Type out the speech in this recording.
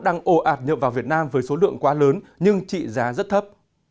đang ồ ạt nhập vào việt nam với số lượng quá lớn nhưng trị giá rất thấp